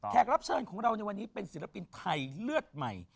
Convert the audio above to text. รับเชิญของเราในวันนี้เป็นศิลปินไทยเลือดใหม่